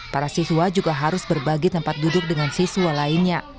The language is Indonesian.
para siswa juga harus berbagi tempat duduk dengan siswa lainnya